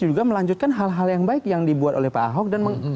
juga melanjutkan hal hal yang baik yang dibuat oleh pak ahok